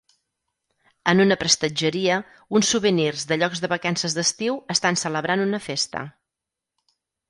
En una prestatgeria, uns souvenirs de llocs de vacances d'estiu estan celebrant una festa.